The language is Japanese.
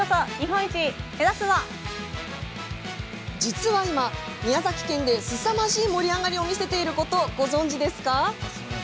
実は今、宮崎県ですさまじい盛り上がりを見せていること、ご存じですか？